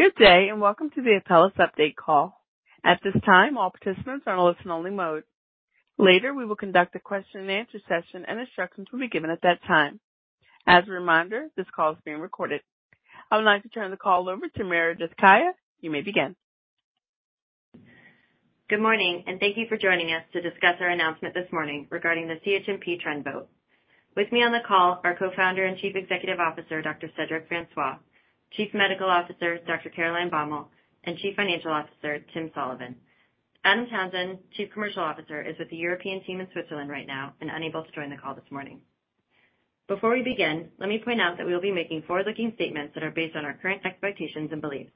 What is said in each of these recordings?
Good day, and welcome to the Apellis update call. At this time, all participants are on a listen-only mode. Later, we will conduct a question and answer session, and instructions will be given at that time. As a reminder, this call is being recorded. I would like to turn the call over to Meredith Kaya. You may begin. Good morning, and thank you for joining us to discuss our announcement this morning regarding the CHMP trend vote. With me on the call are Co-founder and Chief Executive Officer, Dr. Cedric François; Chief Medical Officer, Dr. Caroline Baumal; and Chief Financial Officer, Tim Sullivan. Adam Townsend, Chief Commercial Officer, is with the European team in Switzerland right now and unable to join the call this morning. Before we begin, let me point out that we will be making forward-looking statements that are based on our current expectations and beliefs.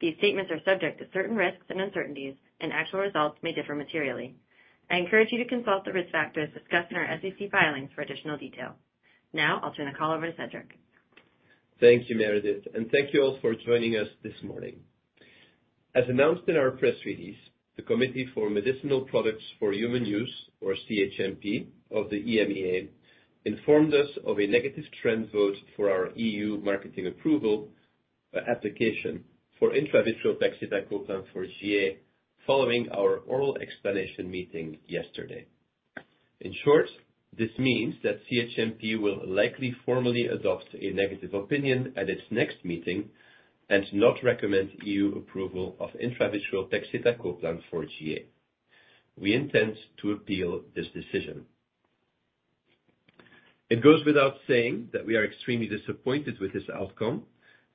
These statements are subject to certain risks and uncertainties, and actual results may differ materially. I encourage you to consult the risk factors discussed in our SEC filings for additional detail. Now I'll turn the call over to Cedric. Thank you, Meredith, and thank you all for joining us this morning. As announced in our press release, the Committee for Medicinal Products for Human Use, or CHMP of the EMA, informed us of a negative trend vote for our EU marketing approval application for intravitreal pegcetacoplan for GA following our oral explanation meeting yesterday. In short, this means that CHMP will likely formally adopt a negative opinion at its next meeting and not recommend EU approval of intravitreal pegcetacoplan for GA. We intend to appeal this decision. It goes without saying that we are extremely disappointed with this outcome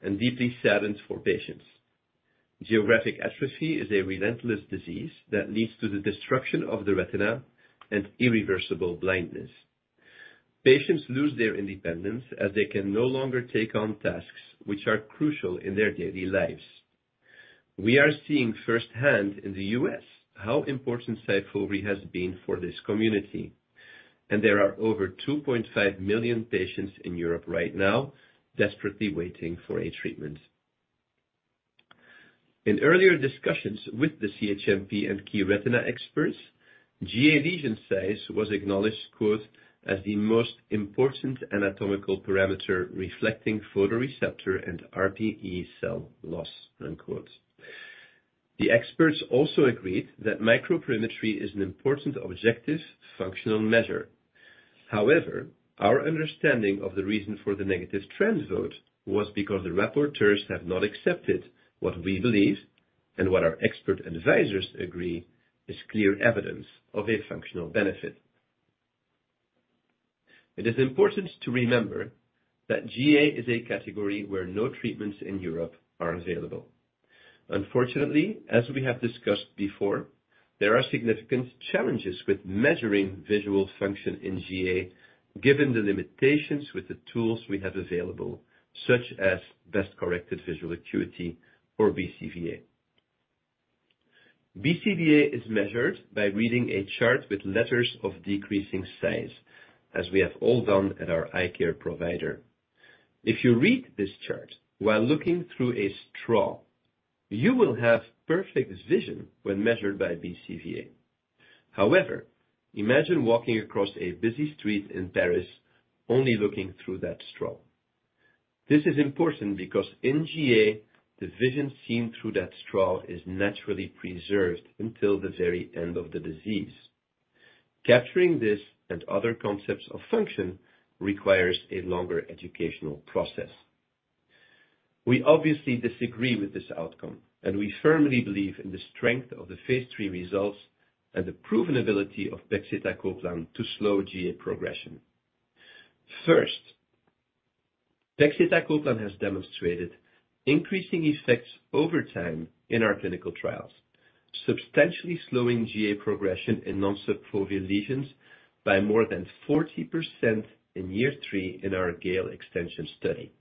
and deeply saddened for patients. Geographic atrophy is a relentless disease that leads to the destruction of the retina and irreversible blindness. Patients lose their independence as they can no longer take on tasks which are crucial in their daily lives. We are seeing firsthand in the U.S. how important SYFOVRE has been for this community, and there are over 2.5 million patients in Europe right now desperately waiting for a treatment. In earlier discussions with the CHMP and key retina experts, GA lesion size was acknowledged, quote, "as the most important anatomical parameter reflecting photoreceptor and RPE cell loss," unquote. The experts also agreed that microperimetry is an important objective functional measure. However, our understanding of the reason for the negative trend vote was because the rapporteurs have not accepted what we believe and what our expert advisors agree is clear evidence of a functional benefit. It is important to remember that GA is a category where no treatments in Europe are available. Unfortunately, as we have discussed before, there are significant challenges with measuring visual function in GA, given the limitations with the tools we have available, such as best corrected visual acuity or BCVA. BCVA is measured by reading a chart with letters of decreasing size, as we have all done at our eye care provider. If you read this chart while looking through a straw, you will have perfect vision when measured by BCVA. However, imagine walking across a busy street in Paris, only looking through that straw. This is important because in GA, the vision seen through that straw is naturally preserved until the very end of the disease. Capturing this and other concepts of function requires a longer educational process. We obviously disagree with this outcome, and we firmly believe in the strength of the phase 3 results and the proven ability of pegcetacoplan to slow GA progression. First, pegcetacoplan has demonstrated increasing effects over time in our clinical trials, substantially slowing GA progression in non-subfoveal lesions by more than 40% in year 3 in our GALE extension study.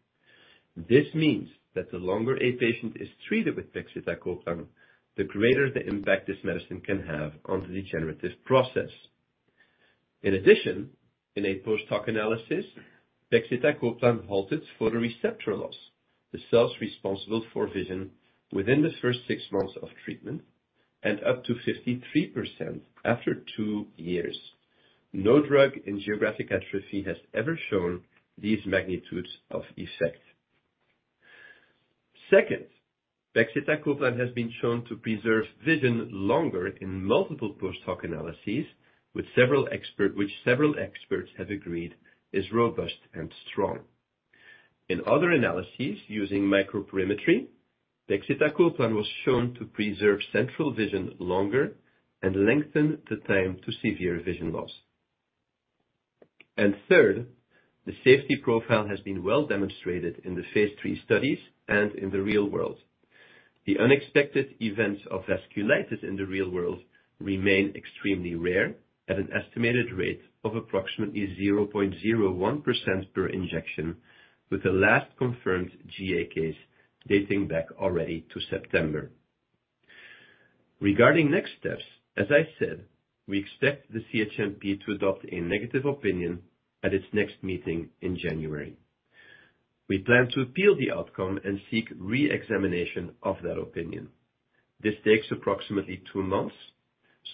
This means that the longer a patient is treated with pegcetacoplan, the greater the impact this medicine can have on the degenerative process. In addition, in a post-hoc analysis, pegcetacoplan halted photoreceptor loss, the cells responsible for vision within the first 6 months of treatment and up to 53% after 2 years. No drug in geographic atrophy has ever shown these magnitudes of effect. Second, pegcetacoplan has been shown to preserve vision longer in multiple post-hoc analyses, which several experts have agreed is robust and strong. In other analyses using microperimetry, pegcetacoplan was shown to preserve central vision longer and lengthen the time to severe vision loss. And third, the safety profile has been well demonstrated in the phase 3 studies and in the real world. The unexpected events of vasculitis in the real world remain extremely rare at an estimated rate of approximately 0.01% per injection, with the last confirmed GA case dating back already to September. Regarding next steps, as I said, we expect the CHMP to adopt a negative opinion at its next meeting in January. We plan to appeal the outcome and seek re-examination of that opinion. This takes approximately two months.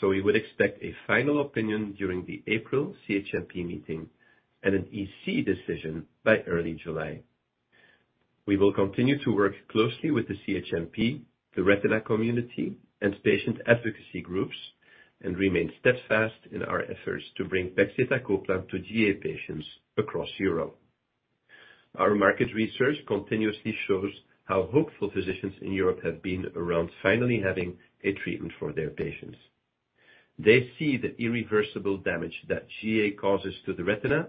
So we would expect a final opinion during the April CHMP meeting and an EC decision by early July. We will continue to work closely with the CHMP, the retina community, and patient advocacy groups, and remain steadfast in our efforts to bring pegcetacoplan to GA patients across Europe. Our market research continuously shows how hopeful physicians in Europe have been around finally having a treatment for their patients. They see the irreversible damage that GA causes to the retina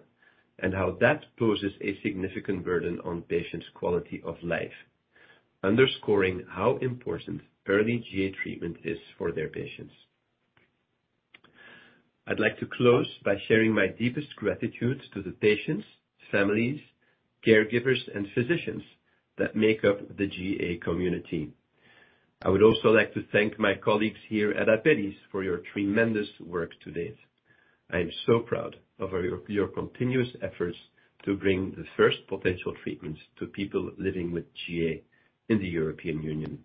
and how that poses a significant burden on patients' quality of life, underscoring how important early GA treatment is for their patients. I'd like to close by sharing my deepest gratitude to the patients, families, caregivers, and physicians that make up the GA community. I would also like to thank my colleagues here at Apellis for your tremendous work to date. I am so proud of your continuous efforts to bring the first potential treatment to people living with GA in the European Union.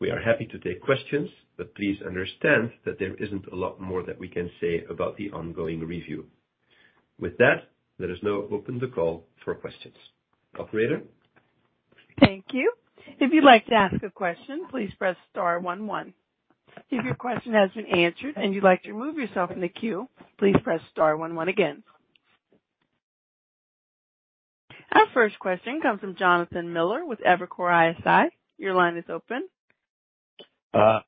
We are happy to take questions, but please understand that there isn't a lot more that we can say about the ongoing review. With that, let us now open the call for questions. Operator? Thank you. If you'd like to ask a question, please press star one one. If your question has been answered and you'd like to remove yourself from the queue, please press star one one again. Our first question comes from Jonathan Miller with Evercore ISI. Your line is open.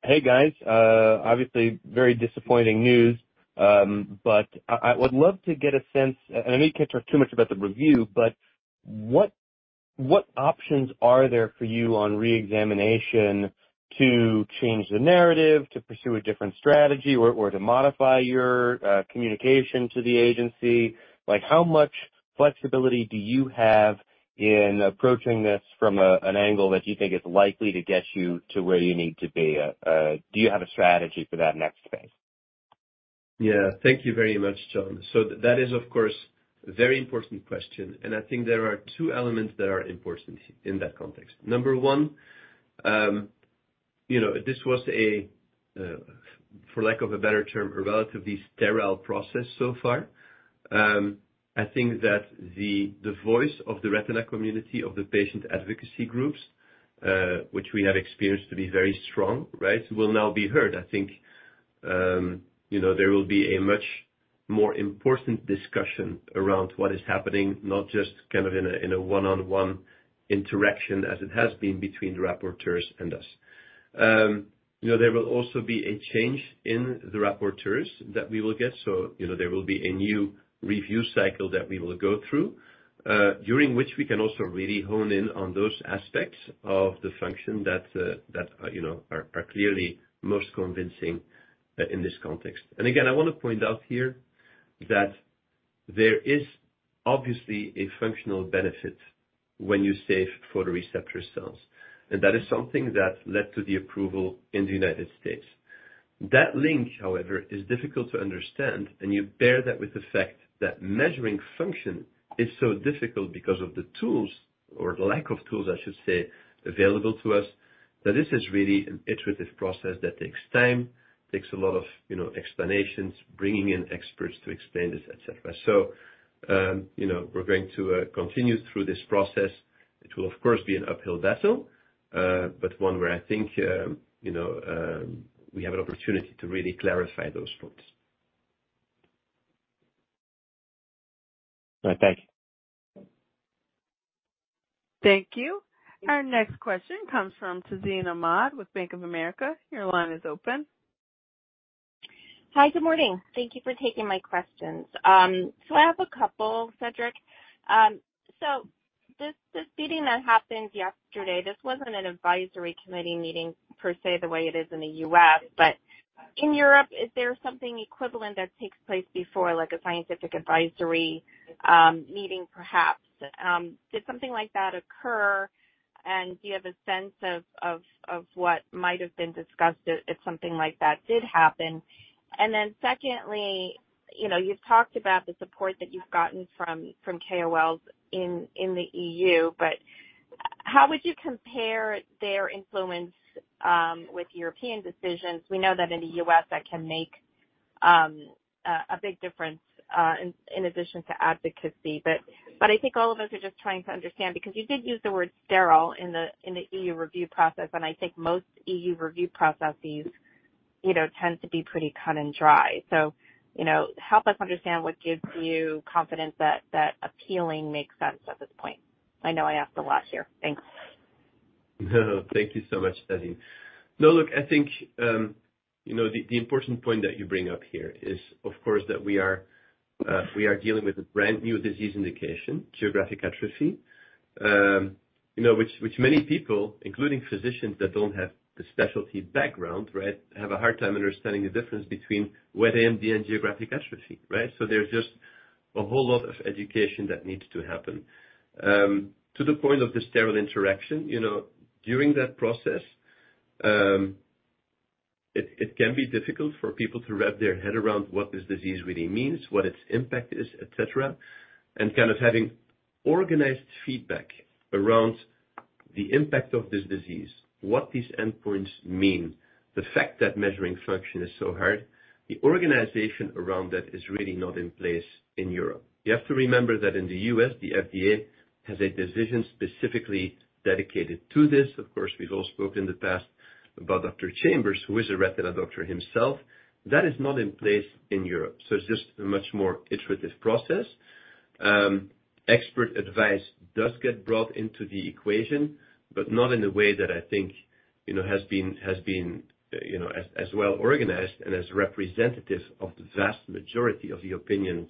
Hey, guys. Obviously, very disappointing news. But I would love to get a sense, and I know you can't talk too much about the review, but what options are there for you on reexamination to change the narrative, to pursue a different strategy or to modify your communication to the agency? Like, how much flexibility do you have in approaching this from an angle that you think is likely to get you to where you need to be? Do you have a strategy for that next phase? Yeah. Thank you very much, John. So that is, of course, a very important question, and I think there are two elements that are important in that context. Number one, you know, this was a, for lack of a better term, a relatively sterile process so far. I think that the voice of the retina community, of the patient advocacy groups, which we have experienced to be very strong, right? Will now be heard. I think, you know, there will be a much more important discussion around what is happening, not just kind of in a one-on-one interaction as it has been between the rapporteurs and us. You know, there will also be a change in the rapporteurs that we will get. So, you know, there will be a new review cycle that we will go through, during which we can also really hone in on those aspects of the function that you know are clearly most convincing, in this context. And again, I want to point out here that there is obviously a functional benefit when you save photoreceptor cells, and that is something that led to the approval in the United States. That link, however, is difficult to understand, and you pair that with the fact that measuring function is so difficult because of the tools, or the lack of tools, I should say, available to us, that this is really an iterative process that takes time, takes a lot of, you know, explanations, bringing in experts to explain this, et cetera. So, you know, we're going to continue through this process. It will, of course, be an uphill battle, but one where I think, you know, we have an opportunity to really clarify those points. All right. Thank you. Thank you. Our next question comes from Tazeen Ahmad with Bank of America. Your line is open. Hi, good morning. Thank you for taking my questions. So I have a couple, Cedric. So this, this meeting that happened yesterday, this wasn't an advisory committee meeting per se, the way it is in the U.S., but in Europe, is there something equivalent that takes place before, like a scientific advisory meeting, perhaps? Did something like that occur, and do you have a sense of what might have been discussed if something like that did happen? And then secondly, you know, you've talked about the support that you've gotten from KOLs in the E.U., but how would you compare their influence with European decisions? We know that in the U.S., that can make a big difference in addition to advocacy. But I think all of us are just trying to understand, because you did use the word sterile in the EU review process, and I think most EU review processes, you know, tend to be pretty cut and dry. So, you know, help us understand what gives you confidence that Apellis makes sense at this point. I know I asked a lot here. Thanks. Thank you so much, Tazeen. No, look, I think, you know, the important point that you bring up here is, of course, that we are dealing with a brand-new disease indication, geographic atrophy. You know, which many people, including physicians that don't have the specialty background, right, have a hard time understanding the difference between wet AMD and geographic atrophy, right? So there's just a whole lot of education that needs to happen. To the point of the serial interaction, you know, during that process, it can be difficult for people to wrap their head around what this disease really means, what its impact is, et cetera, and kind of having organized feedback around-... The impact of this disease, what these endpoints mean, the fact that measuring function is so hard, the organization around that is really not in place in Europe. You have to remember that in the U.S., the FDA has a division specifically dedicated to this. Of course, we've all spoken in the past about Dr. Chambers, who is a retina doctor himself. That is not in place in Europe. So it's just a much more iterative process. Expert advice does get brought into the equation, but not in a way that I think, you know, has been you know, as well organized and as representative of the vast majority of the opinions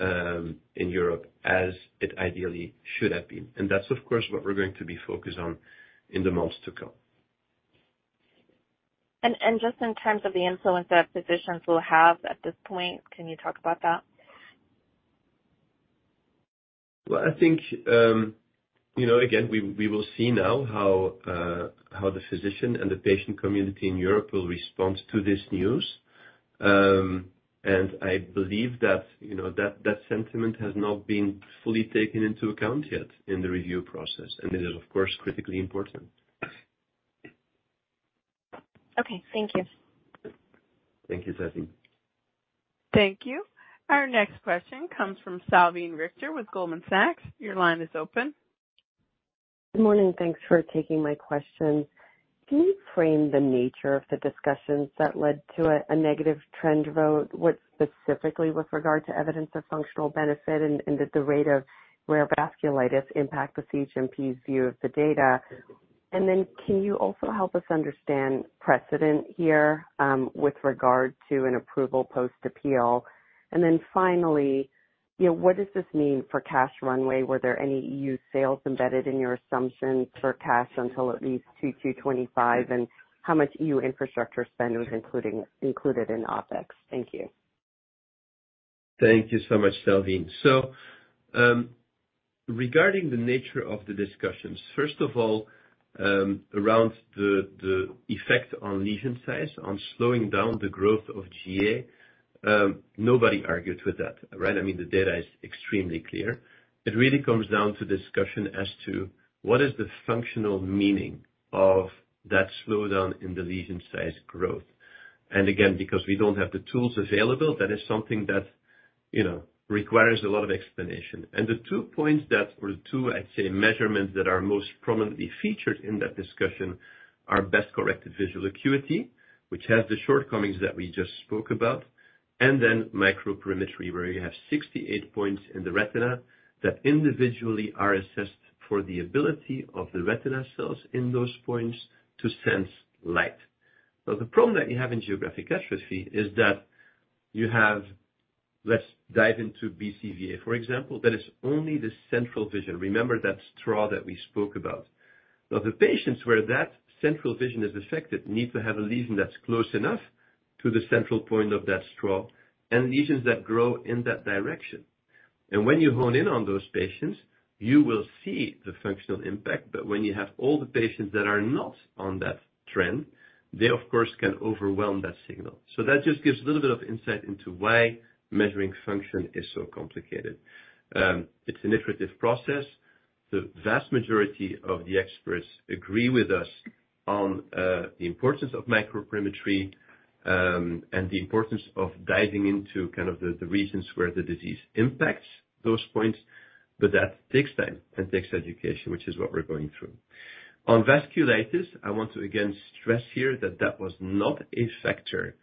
in Europe as it ideally should have been. And that's, of course, what we're going to be focused on in the months to come. And just in terms of the influence that physicians will have at this point, can you talk about that? Well, I think, you know, again, we will see now how the physician and the patient community in Europe will respond to this news. And I believe that, you know, that sentiment has not been fully taken into account yet in the review process, and it is, of course, critically important. Okay. Thank you. Thank you, Tazeen Thank you. Our next question comes from Salveen Richter with Goldman Sachs. Your line is open. Good morning. Thanks for taking my question. Can you frame the nature of the discussions that led to a negative trend vote, what specifically with regard to evidence of functional benefit and did the rate of rare vasculitis impact the CHMP's view of the data? And then can you also help us understand precedent here, with regard to an approval post-appeal? And then finally, you know, what does this mean for cash runway? Were there any EU sales embedded in your assumptions for cash until at least Q2 2025? And how much EU infrastructure spend was included in OpEx? Thank you. Thank you so much, Salveen. So, regarding the nature of the discussions, first of all, around the effect on lesion size, on slowing down the growth of GA, nobody argued with that, right? I mean, the data is extremely clear. It really comes down to discussion as to what is the functional meaning of that slowdown in the lesion size growth. And again, because we don't have the tools available, that is something that, you know, requires a lot of explanation. And the two points that, or the two, I'd say, measurements that are most prominently featured in that discussion are best-corrected visual acuity, which has the shortcomings that we just spoke about, and then microperimetry, where you have 68 points in the retina that individually are assessed for the ability of the retina cells in those points to sense light. So the problem that you have in geographic atrophy is that you have. Let's dive into BCVA, for example. That is only the central vision. Remember that straw that we spoke about. Now, the patients where that central vision is affected need to have a lesion that's close enough to the central point of that straw and lesions that grow in that direction. And when you hone in on those patients, you will see the functional impact. But when you have all the patients that are not on that trend, they of course can overwhelm that signal. So that just gives a little bit of insight into why measuring function is so complicated. It's an iterative process. The vast majority of the experts agree with us on the importance of microperimetry, and the importance of diving into kind of the regions where the disease impacts those points, but that takes time and takes education, which is what we're going through. On vasculitis, I want to again stress here that that was not a factor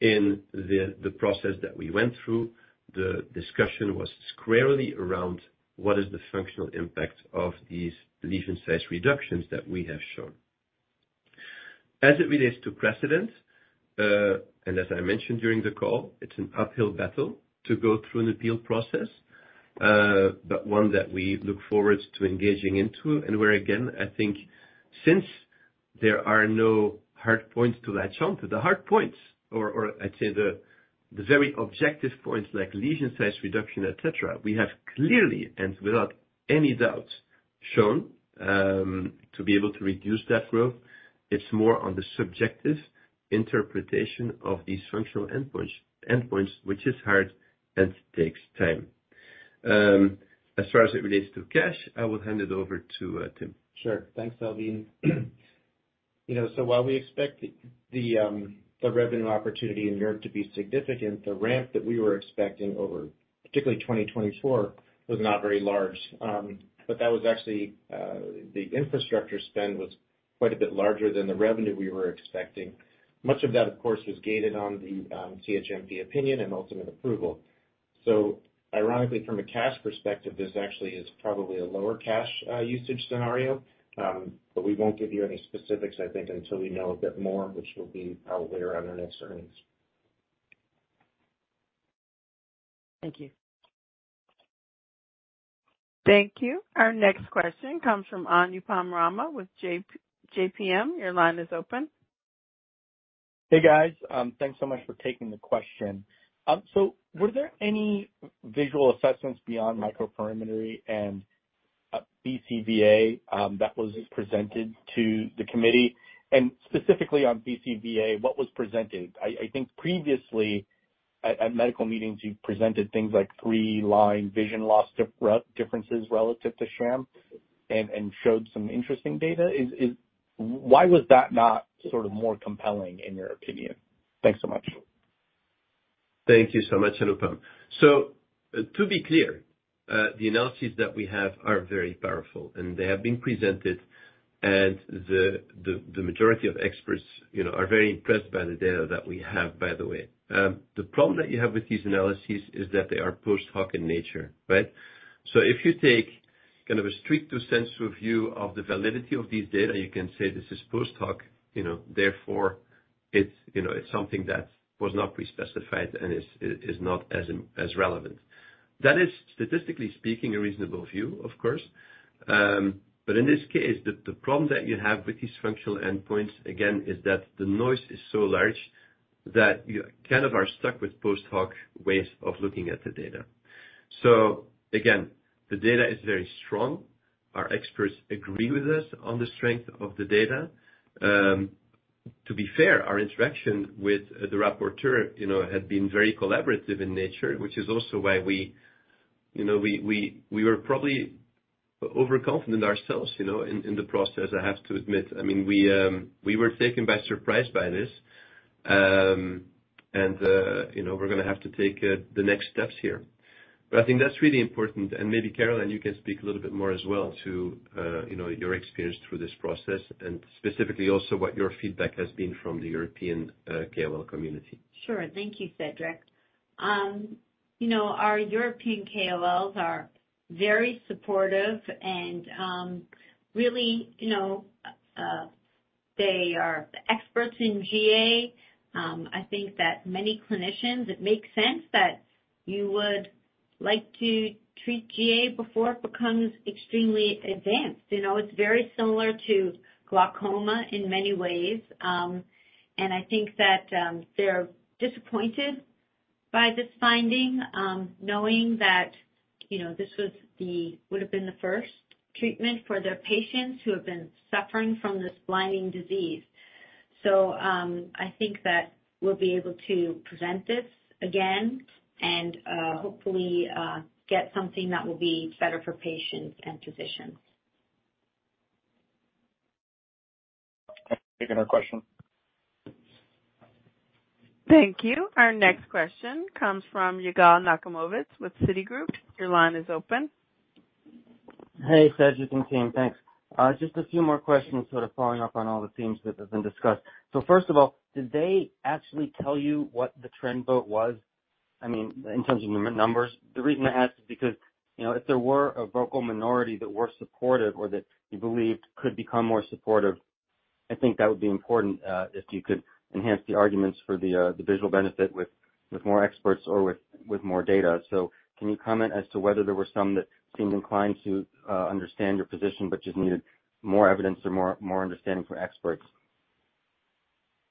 in the process that we went through. The discussion was squarely around what is the functional impact of these lesion size reductions that we have shown. As it relates to precedent, and as I mentioned during the call, it's an uphill battle to go through an appeal process, but one that we look forward to engaging into and where, again, I think since there are no hard points to latch on to, the hard points or I'd say the very objective points like lesion size reduction, et cetera, we have clearly and without any doubt shown to be able to reduce that growth. It's more on the subjective interpretation of these functional endpoints, which is hard and takes time. As far as it relates to cash, I will hand it over to Tim. Sure. Thanks, Salveen. You know, so while we expect the revenue opportunity in Europe to be significant, the ramp that we were expecting over particularly 2024 was not very large. But that was actually the infrastructure spend was quite a bit larger than the revenue we were expecting. Much of that, of course, was gated on the CHMP opinion and ultimate approval. So ironically, from a cash perspective, this actually is probably a lower cash usage scenario. But we won't give you any specifics, I think, until we know a bit more, which will be probably around our next earnings. Thank you. Thank you. Our next question comes from Anupam Sharma with JPMorgan. Your line is open. Hey, guys. Thanks so much for taking the question. So were there any visual assessments beyond microperimetry and BCVA that was presented to the committee? And specifically on BCVA, what was presented? I think previously-... At medical meetings, you've presented things like 3-line vision loss differences relative to sham, and showed some interesting data. Why was that not sort of more compelling, in your opinion? Thanks so much. Thank you so much, Anupam. To be clear, the analyses that we have are very powerful, and they have been presented, and the majority of experts, you know, are very impressed by the data that we have, by the way. The problem that you have with these analyses is that they are post hoc in nature, right? If you take kind of a strictly censorious view of the validity of these data, you can say this is post hoc, you know, therefore it's, you know, it's something that was not pre-specified and is not as relevant. That is, statistically speaking, a reasonable view, of course. But in this case, the problem that you have with these functional endpoints, again, is that the noise is so large that you kind of are stuck with post-hoc ways of looking at the data. So again, the data is very strong. Our experts agree with us on the strength of the data. To be fair, our interaction with the rapporteur, you know, had been very collaborative in nature, which is also why we, you know, we were probably overconfident ourselves, you know, in the process, I have to admit. I mean, we were taken by surprise by this, and you know, we're gonna have to take the next steps here. But I think that's really important. Maybe, Caroline, you can speak a little bit more as well to, you know, your experience through this process, and specifically also what your feedback has been from the European KOL community. Sure. Thank you, Cedric. You know, our European KOLs are very supportive and, really, you know, they are the experts in GA. I think that many clinicians, it makes sense that you would like to treat GA before it becomes extremely advanced. You know, it's very similar to glaucoma in many ways. And I think that, they're disappointed by this finding, knowing that, you know, this was the- would have been the first treatment for their patients who have been suffering from this blinding disease. So, I think that we'll be able to present this again and, hopefully, get something that will be better for patients and physicians. I have taken our question. Thank you. Our next question comes from Yigal Nochomovitz with Citigroup. Your line is open. Hey, Cedric and team, thanks. Just a few more questions, sort of following up on all the themes that have been discussed. So first of all, did they actually tell you what the trend vote was? I mean, in terms of numbers. The reason I ask is because, you know, if there were a vocal minority that were supportive or that you believed could become more supportive, I think that would be important, if you could enhance the arguments for the, the visual benefit with more experts or with more data. So can you comment as to whether there were some that seemed inclined to understand your position but just needed more evidence or more understanding from experts?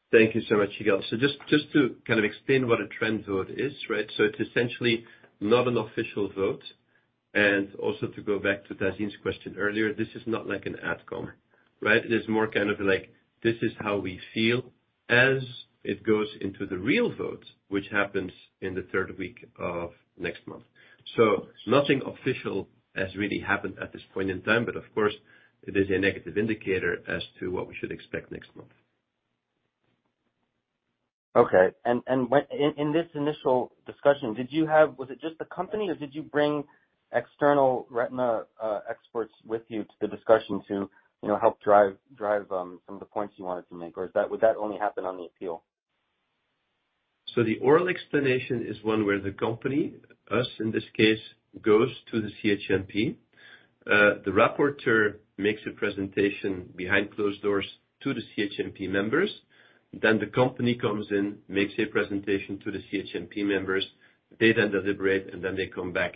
Thank you so much, Yigal. So just, just to kind of explain what a Trend vote is, right? So it's essentially not an official vote. And also, to go back to Tazeen's question earlier, this is not like an outcome, right? It is more kind of like, this is how we feel as it goes into the real vote, which happens in the third week of next month. So nothing official has really happened at this point in time, but of course, it is a negative indicator as to what we should expect next month. Okay. And when in this initial discussion, was it just the company, or did you bring external retina experts with you to the discussion to, you know, help drive some of the points you wanted to make, or would that only happen on the appeal? So the oral explanation is one where the company, us in this case, goes to the CHMP. The rapporteur makes a presentation behind closed doors to the CHMP members. Then the company comes in, makes a presentation to the CHMP members. They then deliberate, and then they come back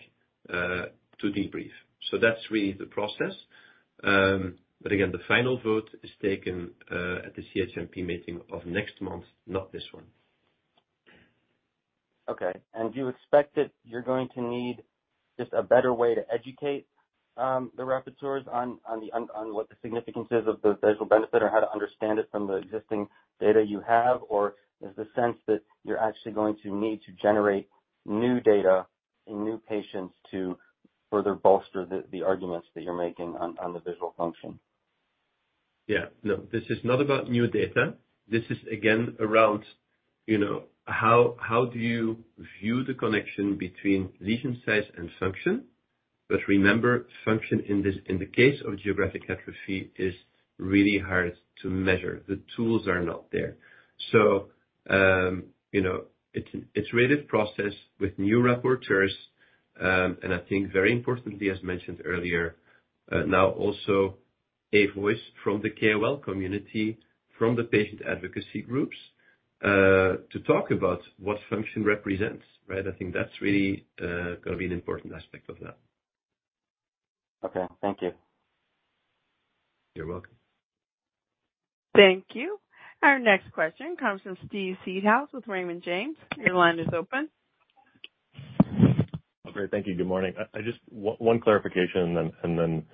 to debrief. So that's really the process. But again, the final vote is taken at the CHMP meeting of next month, not this one. Okay. And do you expect that you're going to need just a better way to educate the rapporteurs on what the significance is of the visual benefit or how to understand it from the existing data you have? Or is the sense that you're actually going to need to generate new data and new patients to further bolster the arguments that you're making on the visual function? Yeah. No, this is not about new data. This is again, around, you know, how, how do you view the connection between lesion size and function? But remember, function in this, in the case of geographic atrophy, is really hard to measure. The tools are not there. So, you know, it's, it's an iterative process with new rapporteurs, and I think very importantly, as mentioned earlier, now also a voice from the KOL community, from the patient advocacy groups, to talk about what function represents, right? I think that's really gonna be an important aspect of that. Okay. Thank you. You're welcome. Thank you. Our next question comes from Steve Seedhouse with Raymond James. Your line is open.... Okay, thank you. Good morning. I just want one clarification and then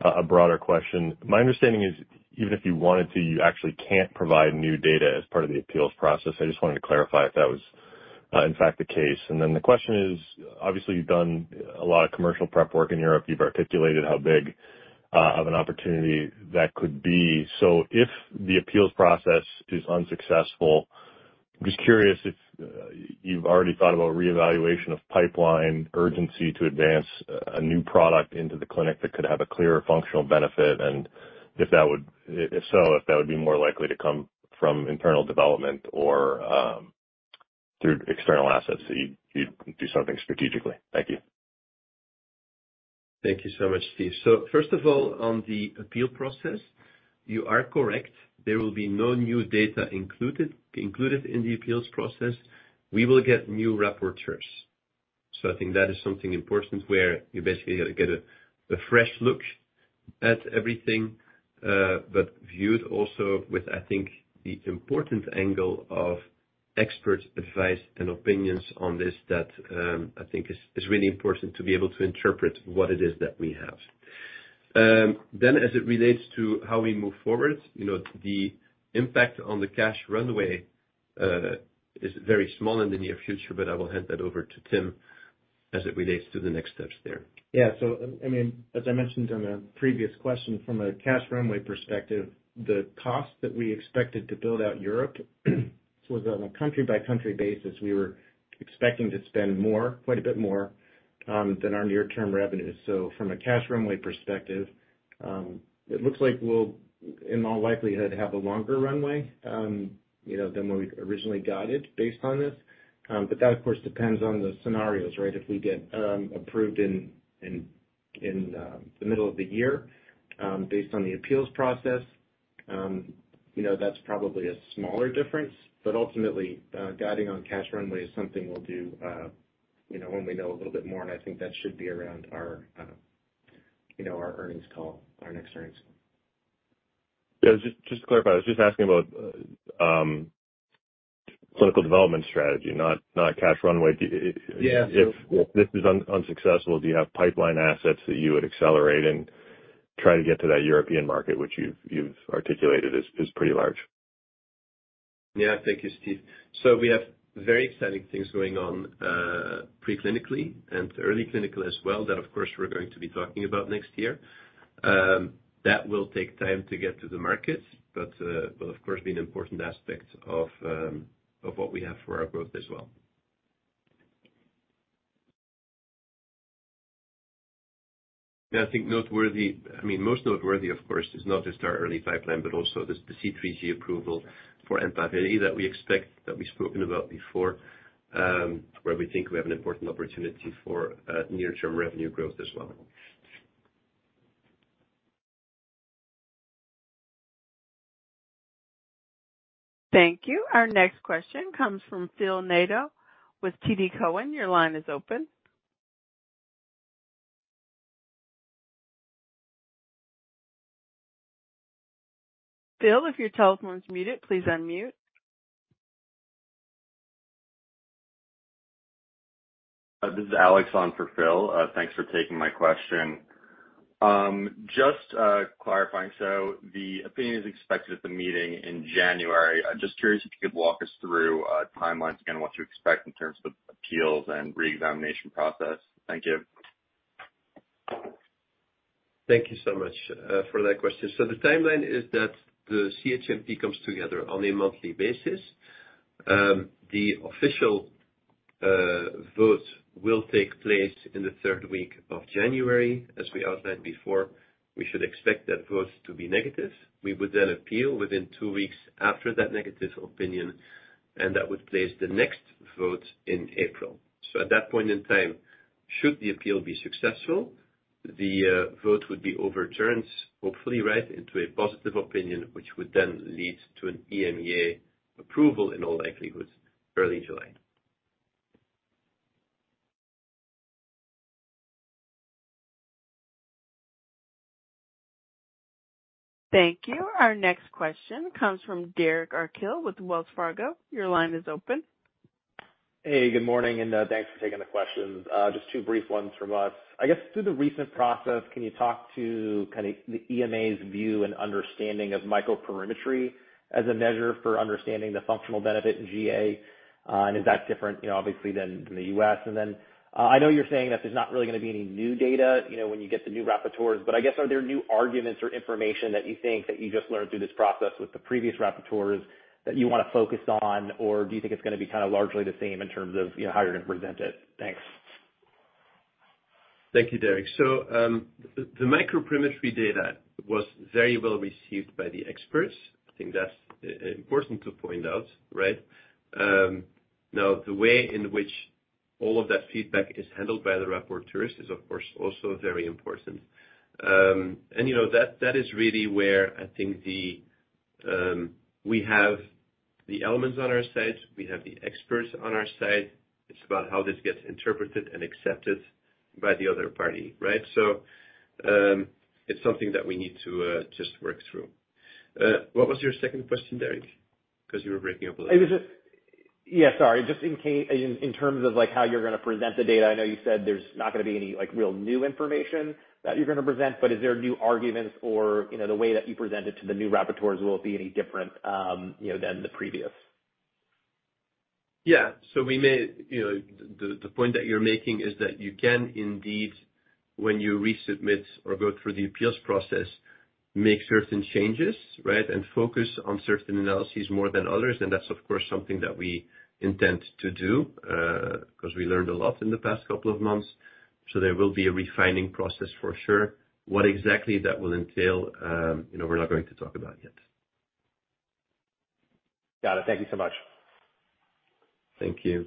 a broader question. My understanding is, even if you wanted to, you actually can't provide new data as part of the appeals process. I just wanted to clarify if that was in fact the case. And then the question is, obviously, you've done a lot of commercial prep work in Europe. You've articulated how big of an opportunity that could be. So if the appeals process is unsuccessful, just curious if you've already thought about reevaluation of pipeline, urgency to advance a new product into the clinic that could have a clear functional benefit, and if that would—if so, if that would be more likely to come from internal development or through external assets, so you'd do something strategically. Thank you. Thank you so much, Steve. So first of all, on the appeal process, you are correct. There will be no new data included in the appeals process. We will get new rapporteurs. So I think that is something important, where you basically get a fresh look at everything, but viewed also with, I think, the important angle of expert advice and opinions on this that I think is really important to be able to interpret what it is that we have. Then, as it relates to how we move forward, you know, the impact on the cash runway is very small in the near future, but I will hand that over to Tim as it relates to the next steps there. Yeah, so I mean, as I mentioned on a previous question, from a cash runway perspective, the cost that we expected to build out Europe was on a country-by-country basis. We were expecting to spend more, quite a bit more, than our near-term revenues. So from a cash runway perspective, it looks like we'll, in all likelihood, have a longer runway, you know, than when we originally guided based on this. But that, of course, depends on the scenarios, right? If we get approved in the middle of the year, based on the appeals process, you know, that's probably a smaller difference. But ultimately, guiding on cash runway is something we'll do, you know, when we know a little bit more, and I think that should be around our, you know, our earnings call, our next earnings call. Yeah, just to clarify, I was just asking about clinical development strategy, not cash runway. Do- Yeah. If this is unsuccessful, do you have pipeline assets that you would accelerate and try to get to that European market, which you've articulated is pretty large? Yeah. Thank you, Steve. So we have very exciting things going on pre-clinically and early clinical as well. That, of course, we're going to be talking about next year. That will take time to get to the markets, but, will of course, be an important aspect of, of what we have for our growth as well. And I think noteworthy, I mean, most noteworthy, of course, is not just our early pipeline, but also the, the C3G approval for EMPAVELI that we expect, that we've spoken about before, where we think we have an important opportunity for, near-term revenue growth as well. Thank you. Our next question comes from Phil Nadeau with TD Cowen. Your line is open. Phil, if your telephone is muted, please unmute. This is Alex on for Phil. Thanks for taking my question. Just clarifying, so the opinion is expected at the meeting in January. I'm just curious if you could walk us through timelines again, what you expect in terms of appeals and re-examination process. Thank you. Thank you so much, for that question. So the timeline is that the CHMP comes together on a monthly basis. The official, vote will take place in the third week of January. As we outlined before, we should expect that vote to be negative. We would then appeal within two weeks after that negative opinion, and that would place the next vote in April. So at that point in time, should the appeal be successful, the, vote would be overturned, hopefully, right, into a positive opinion, which would then lead to an EMEA approval in all likelihood, early July. Thank you. Our next question comes from Derek Archila with Wells Fargo. Your line is open. Hey, good morning, and thanks for taking the questions. Just two brief ones from us. I guess, through the recent process, can you talk to kind of the EMA's view and understanding of microperimetry as a measure for understanding the functional benefit in GA? And is that different, you know, obviously, than the US? And then, I know you're saying that there's not really going to be any new data, you know, when you get the new rapporteurs, but I guess, are there new arguments or information that you think that you just learned through this process with the previous rapporteurs that you want to focus on? Or do you think it's going to be kind of largely the same in terms of, you know, how you're going to present it? Thanks. Thank you, Derek. So, the microperimetry data was very well received by the experts. I think that's important to point out, right? Now, the way in which all of that feedback is handled by the rapporteurs is, of course, also very important. And, you know, that is really where I think the... We have the elements on our side, we have the experts on our side. It's about how this gets interpreted and accepted by the other party, right? So, it's something that we need to just work through. What was your second question, Derek?... 'cause you were breaking up a little. It was just yeah, sorry. Just in terms of, like, how you're gonna present the data, I know you said there's not gonna be any, like, real new information that you're gonna present, but is there new arguments or, you know, the way that you present it to the new rapporteurs, will it be any different, you know, than the previous? Yeah. So we may, you know, the point that you're making is that you can indeed, when you resubmit or go through the appeals process, make certain changes, right? And focus on certain analyses more than others, and that's of course something that we intend to do, 'cause we learned a lot in the past couple of months. So there will be a refining process for sure. What exactly that will entail, you know, we're not going to talk about yet. Got it. Thank you so much. Thank you.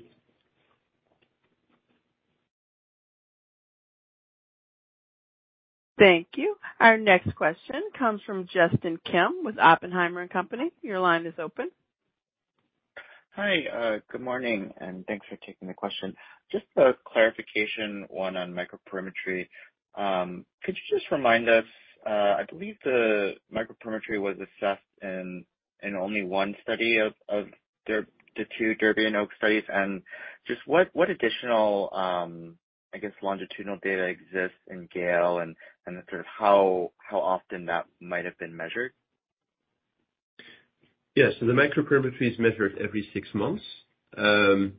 Thank you. Our next question comes from Justin Kim with Oppenheimer & Company. Your line is open. Hi, good morning, and thanks for taking the question. Just a clarification, one, on microperimetry. Could you just remind us, I believe the microperimetry was assessed in only one study of the two DERBY and OAKS studies, and just what additional, I guess, longitudinal data exists in GALE and sort of how often that might have been measured? Yeah. So the microperimetry is measured every six months. And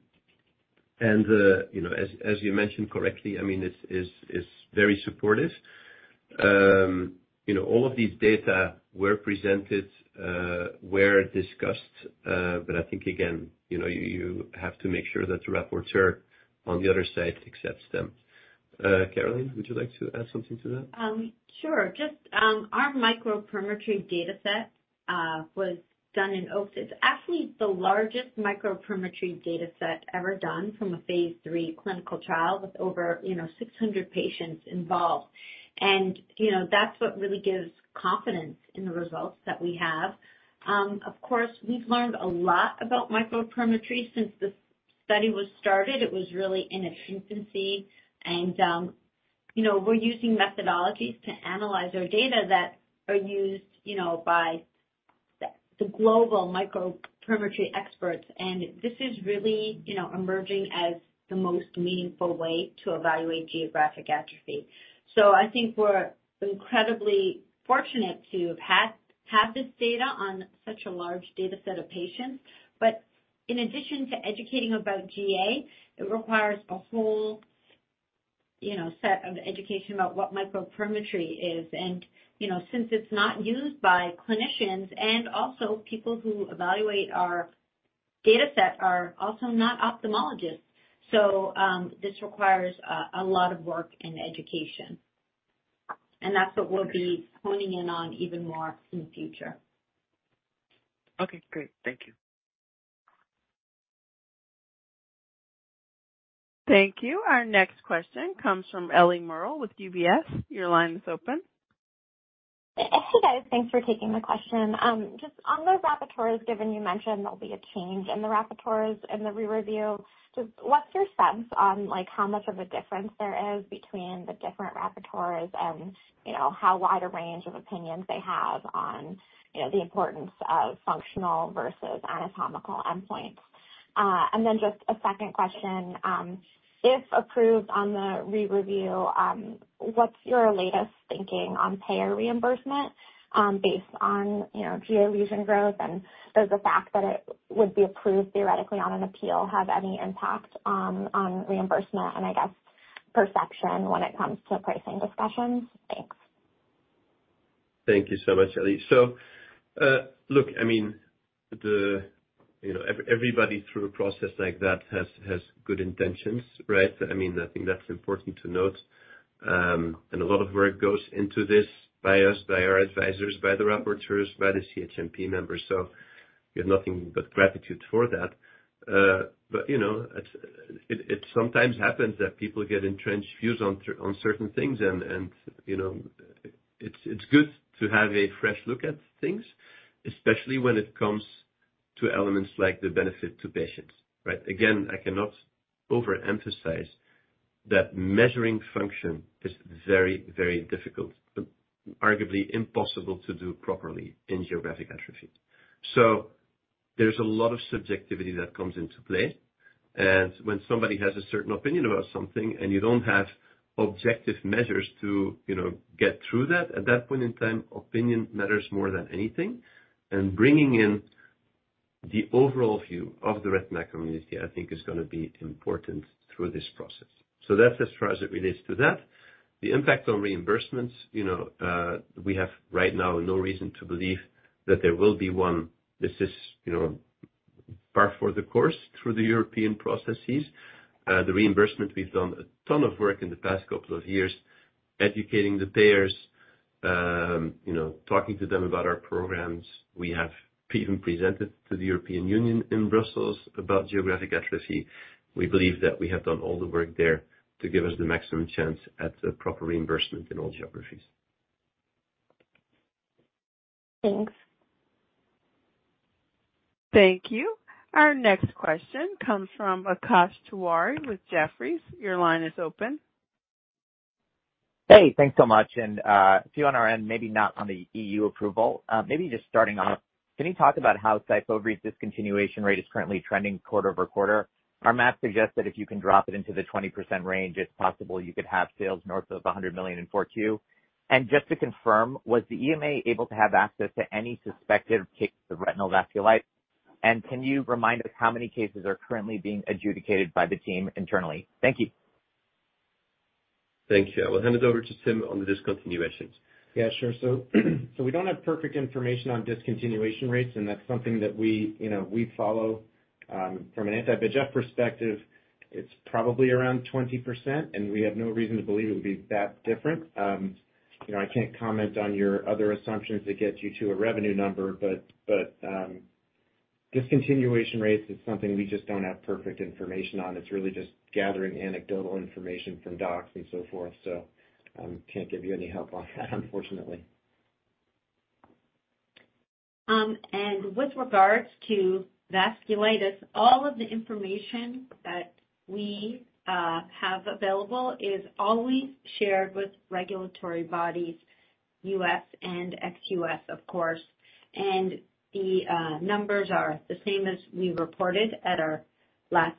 you know, as you mentioned correctly, I mean, it's very supportive. You know, all of these data were presented, discussed, but I think, again, you know, you have to make sure that the rapporteur on the other side accepts them. Caroline, would you like to add something to that? Sure. Just, our microperimetry data set was done in OAKS. It's actually the largest microperimetry data set ever done from a Phase 3 clinical trial with over, you know, 600 patients involved. And, you know, that's what really gives confidence in the results that we have. Of course, we've learned a lot about microperimetry since the study was started. It was really in its infancy and, you know, we're using methodologies to analyze our data that are used, you know, by the global microperimetry experts, and this is really, you know, emerging as the most meaningful way to evaluate geographic atrophy. So I think we're incredibly fortunate to have had this data on such a large data set of patients. But in addition to educating about GA, it requires a whole, you know, set of education about what microperimetry is. And, you know, since it's not used by clinicians and also people who evaluate our data set are also not ophthalmologists, so, this requires a lot of work and education. And that's what we'll be honing in on even more in the future. Okay, great. Thank you. Thank you. Our next question comes from Ellie Merle with UBS. Your line is open. Hey, guys. Thanks for taking the question. Just on the rapporteurs, given you mentioned there'll be a change in the rapporteurs and the re-review, just what's your sense on, like, how much of a difference there is between the different rapporteurs and, you know, how wide a range of opinions they have on, you know, the importance of functional versus anatomical endpoints? And then just a second question. If approved on the re-review, what's your latest thinking on payer reimbursement, based on, you know, GA lesion growth? And does the fact that it would be approved theoretically on an appeal have any impact on reimbursement and I guess perception when it comes to pricing discussions? Thanks. Thank you so much, Ellie. So, look, I mean, the, you know, everybody through a process like that has good intentions, right? I mean, I think that's important to note. And a lot of work goes into this by us, by our advisors, by the rapporteurs, by the CHMP members, so we have nothing but gratitude for that. But, you know, it sometimes happens that people get entrenched views on certain things and, you know, it's good to have a fresh look at things, especially when it comes to elements like the benefit to patients, right? Again, I cannot overemphasize that measuring function is very, very difficult, arguably impossible, to do properly in geographic atrophy. So there's a lot of subjectivity that comes into play. When somebody has a certain opinion about something and you don't have objective measures to, you know, get through that, at that point in time, opinion matters more than anything. Bringing in the overall view of the retina community, I think is gonna be important through this process. So that's as far as it relates to that. The impact on reimbursements, you know, we have right now no reason to believe that there will be one. This is, you know, par for the course through the European processes. The reimbursement, we've done a ton of work in the past couple of years, educating the payers, you know, talking to them about our programs. We have even presented to the European Union in Brussels about geographic atrophy. We believe that we have done all the work there to give us the maximum chance at a proper reimbursement in all geographies. Thanks. Thank you. Our next question comes from Akash Tewari with Jefferies. Your line is open. Hey, thanks so much, and, a few on our end, maybe not on the EU approval. Maybe just starting off, can you talk about how SYFOVRE discontinuation rate is currently trending quarter-over-quarter? Our math suggests that if you can drop it into the 20% range, it's possible you could have sales north of $100 million in 4Q. And just to confirm, was the EMA able to have access to any suspected cases of retinal vasculitis? And can you remind us how many cases are currently being adjudicated by the team internally? Thank you. Thank you. I will hand it over to Tim on the discontinuations. Yeah, sure. So we don't have perfect information on discontinuation rates, and that's something that we, you know, we follow, from an anti-VEGF perspective, it's probably around 20%, and we have no reason to believe it would be that different. You know, I can't comment on your other assumptions that get you to a revenue number, but, discontinuation rates is something we just don't have perfect information on. It's really just gathering anecdotal information from docs and so forth. So, can't give you any help on that, unfortunately. With regards to vasculitis, all of the information that we have available is always shared with regulatory bodies, U.S. and ex-U.S., of course. The numbers are the same as we reported at our last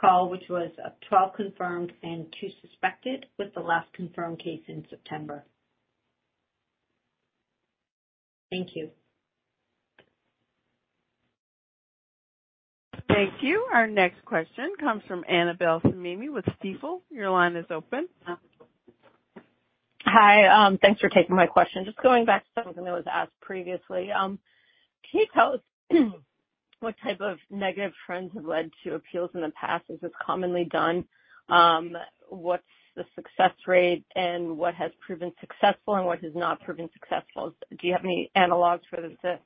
call, which was 12 confirmed and 2 suspected, with the last confirmed case in September. Thank you. Thank you. Our next question comes from Annabel Samimy with Stifel. Your line is open. Hi, thanks for taking my question. Just going back to something that was asked previously, can you tell us what type of negative trends have led to appeals in the past, as is commonly done? What's the success rate, and what has proven successful and what has not proven successful? Do you have any analogs for this to,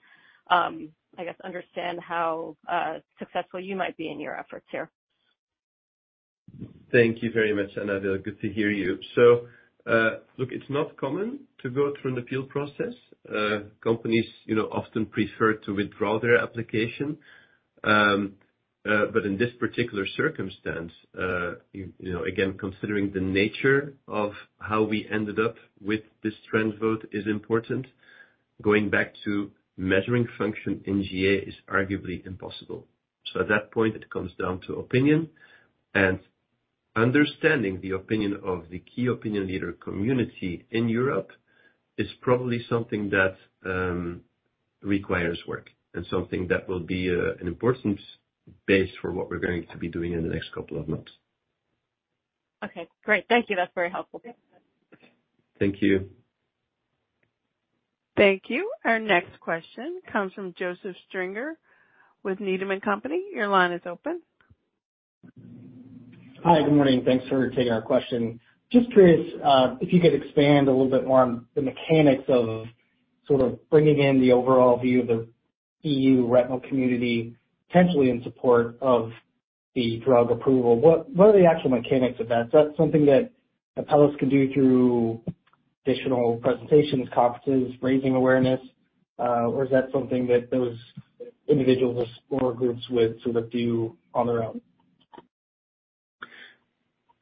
I guess, understand how successful you might be in your efforts here? Thank you very much, Annabel. Good to hear you. So, look, it's not common to go through an appeal process. Companies, you know, often prefer to withdraw their application. But in this particular circumstance, you know, again, considering the nature of how we ended up with this trend vote is important. Going back to measuring function in GA is arguably impossible. So at that point, it comes down to opinion and understanding the opinion of the key opinion leader community in Europe is probably something that requires work and something that will be an important base for what we're going to be doing in the next couple of months. Okay, great. Thank you. That's very helpful. Thank you. Thank you. Our next question comes from Joseph Stringer with Needham & Company. Your line is open. Hi, good morning. Thanks for taking our question. Just curious, if you could expand a little bit more on the mechanics of sort of bringing in the overall view of the EU retinal community, potentially in support of the drug approval. What, what are the actual mechanics of that? Is that something that Apellis can do through additional presentations, conferences, raising awareness? Or is that something that those individuals or groups would sort of do on their own?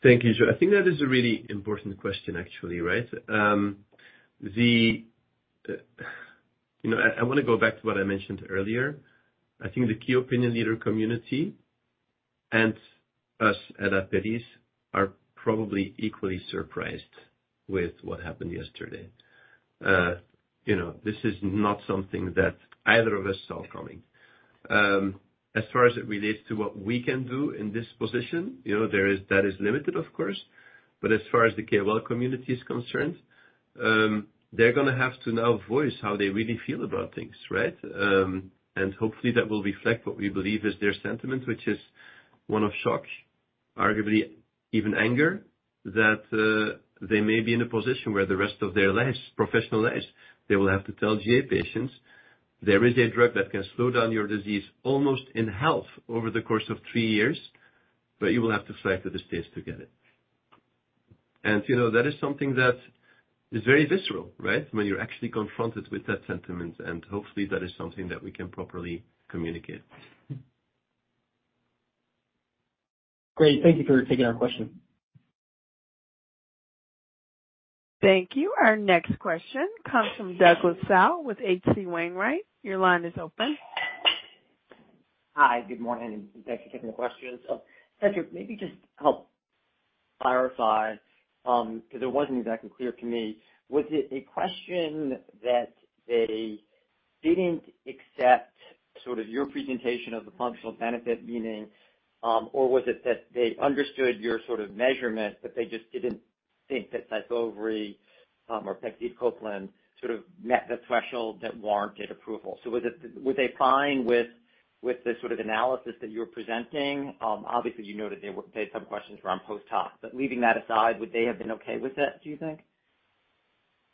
Thank you, Joe. I think that is a really important question, actually, right? You know, I want to go back to what I mentioned earlier. I think the key opinion leader community and us at Apellis are probably equally surprised with what happened yesterday. You know, this is not something that either of us saw coming. As far as it relates to what we can do in this position, you know, that is limited, of course, but as far as the KOL community is concerned, they're going to have to now voice how they really feel about things, right? Hopefully that will reflect what we believe is their sentiment, which is one of shock, arguably even anger, that they may be in a position where the rest of their lives, professional lives, they will have to tell GA patients: There is a drug that can slow down your disease almost in half over the course of three years, but you will have to fly to the States to get it. And, you know, that is something that is very visceral, right? When you're actually confronted with that sentiment, and hopefully that is something that we can properly communicate. Great. Thank you for taking our question. Thank you. Our next question comes from Douglas Tsao with HC Wainwright. Your line is open. Hi, good morning, and thank you for taking the question. So, Patrick, maybe just help clarify, because it wasn't exactly clear to me, was it a question that they didn't accept sort of your presentation of the functional benefit meaning, or was it that they understood your sort of measurement, but they just didn't think that SYFOVRE, or pegcetacoplan, sort of met the threshold that warranted approval? So, were they fine with the sort of analysis that you're presenting? Obviously, you noted they had some questions around post-hoc, but leaving that aside, would they have been okay with it, do you think?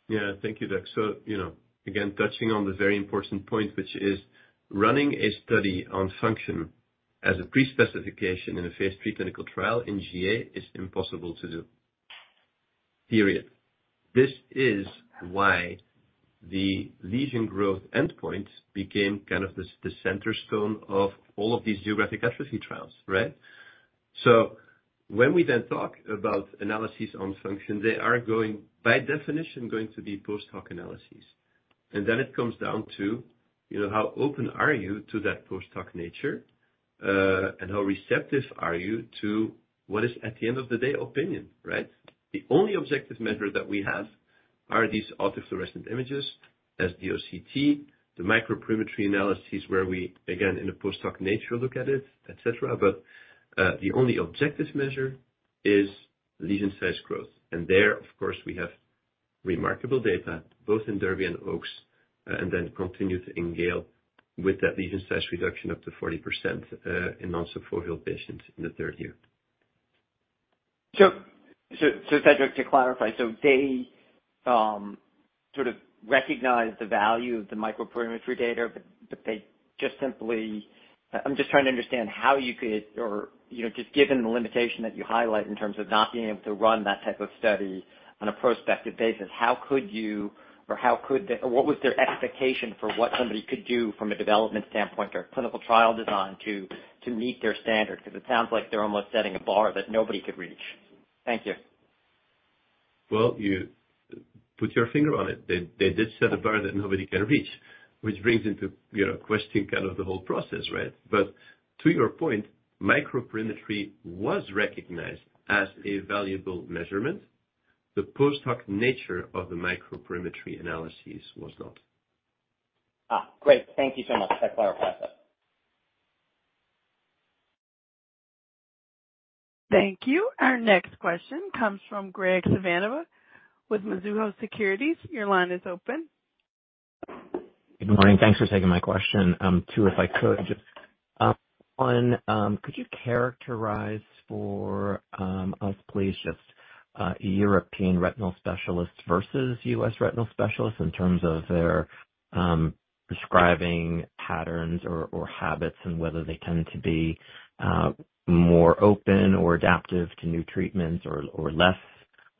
Yeah. Thank you, Doug. So, you know, again, touching on the very important point, which is running a study on function as a pre-specification in a phase three clinical trial in GA is impossible to do, period. This is why the lesion growth endpoint became kind of the cornerstone of all of these geographic atrophy trials, right? So when we then talk about analysis on function, they are going, by definition, to be post-hoc analyses. And then it comes down to, you know, how open are you to that post-hoc nature, and how receptive are you to what is, at the end of the day, opinion, right? The only objective measure that we have are these autofluorescent images, SD-OCT, the microperimetry analyses, where we, again, in a post-hoc nature, look at it, et cetera. But, the only objective measure is lesion size growth. There, of course, we have remarkable data, both in DERBY and OAKS, and then continued in GALE, with that lesion size reduction up to 40%, in non-subfoveal patients in the third year. So, Cedric, to clarify, so they sort of recognize the value of the Microperimetry data, but they just simply... I'm just trying to understand how you could or, you know, just given the limitation that you highlight in terms of not being able to run that type of study on a prospective basis, how could you, or how could they- or what was their expectation for what somebody could do from a development standpoint or clinical trial design to meet their standard? Because it sounds like they're almost setting a bar that nobody could reach. Thank you. Well, you put your finger on it. They, they did set a bar that nobody can reach, which brings into, you know, question kind of the whole process, right? But to your point, microperimetry was recognized as a valuable measurement. The post-hoc nature of the microperimetry analyses was not. Ah, great. Thank you so much. That clarifies it. Thank you. Our next question comes from Graig Suvannavejh with Mizuho Securities. Your line is open. Good morning. Thanks for taking my question. Two, if I could. Just on, could you characterize for us, please, just European retinal specialists versus U.S. retinal specialists in terms of their prescribing patterns or habits, and whether they tend to be more open or adaptive to new treatments or less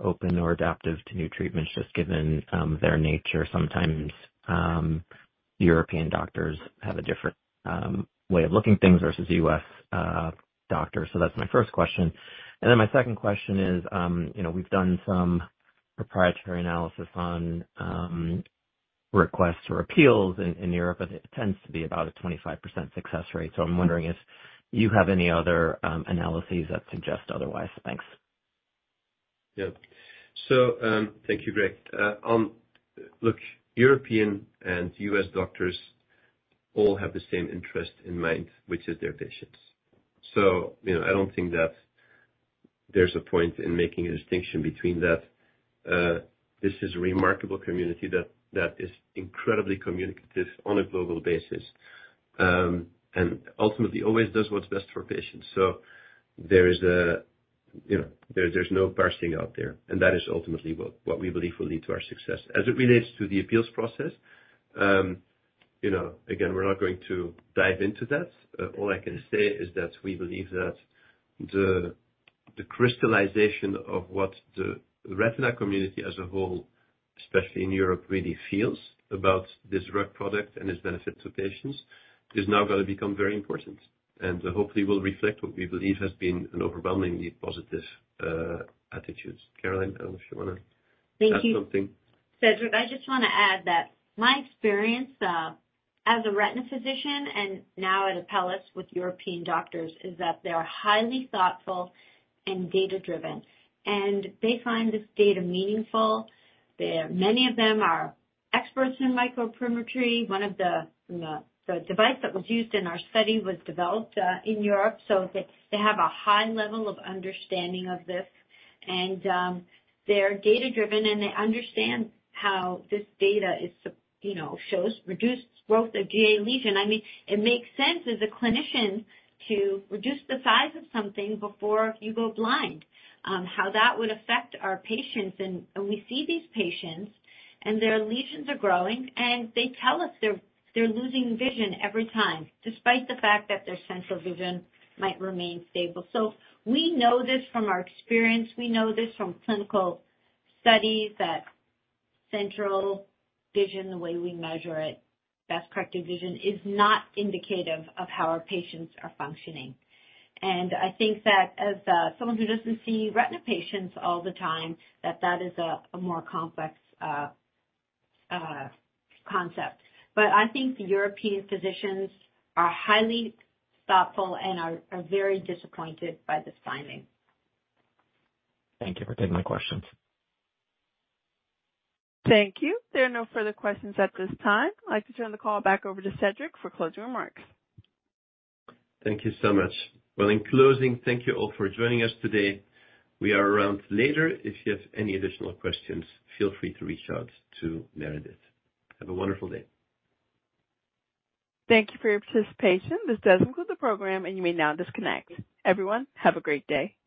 open or adaptive to new treatments, just given their nature? Sometimes European doctors have a different way of looking at things versus U.S. doctors. So that's my first question. And then my second question is, you know, we've done some proprietary analysis on requests or appeals in Europe, but it tends to be about a 25% success rate. So I'm wondering if you have any other analyses that suggest otherwise. Thanks. Yeah. So, thank you, Graig. Look, European and U.S. doctors all have the same interest in mind, which is their patients. So, you know, I don't think that there's a point in making a distinction between that. This is a remarkable community that is incredibly communicative on a global basis, and ultimately always does what's best for patients. So there is, you know, there's no parsing out there, and that is ultimately what we believe will lead to our success. As it relates to the appeals process, you know, again, we're not going to dive into that. All I can say is that we believe that the crystallization of what the retina community as a whole, especially in Europe, really feels about this peg product and its benefit to patients, is now going to become very important and hopefully will reflect what we believe has been an overwhelmingly positive attitudes. Caroline, I don't know if you want to- Thank you. Add something. Cedric, I just want to add that my experience as a retina physician and now at Apellis with European doctors is that they are highly thoughtful and data-driven, and they find this data meaningful. Many of them are experts in microperimetry. One of the device that was used in our study was developed in Europe, so they have a high level of understanding of this, and they're data-driven, and they understand how this data is you know, shows reduced growth of GA lesion. I mean, it makes sense as a clinician to reduce the size of something before you go blind how that would affect our patients. We see these patients, and their lesions are growing, and they tell us they're losing vision every time, despite the fact that their central vision might remain stable. So we know this from our experience. We know this from clinical studies, that central vision, the way we measure it, best corrected vision, is not indicative of how our patients are functioning. And I think that as someone who doesn't see retina patients all the time, that that is a more complex concept. But I think the European physicians are highly thoughtful and are very disappointed by this finding. Thank you for taking my questions. Thank you. There are no further questions at this time. I'd like to turn the call back over to Cedric for closing remarks. Thank you so much. Well, in closing, thank you all for joining us today. We are around later. If you have any additional questions, feel free to reach out to Meredith. Have a wonderful day. Thank you for your participation. This does conclude the program, and you may now disconnect. Everyone, have a great day.